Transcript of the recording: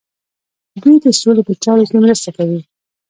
دوی د سولې په چارو کې مرسته کوي.